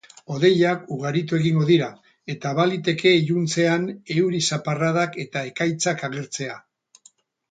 Hodeiak ugaritu egingo dira, eta baliteke iluntzean euri zaparradak eta ekaitzak agertzea.